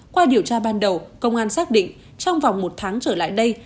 qua điều tra ban đầu công an xác định trong vòng một tháng trở lại đây